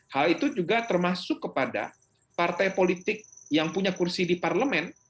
hal itu juga termasuk kepada partai politik yang punya kursi di parlemen